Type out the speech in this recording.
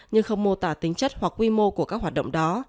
nhưng không mô tả tính chất hoặc quy mô của các hoạt động đó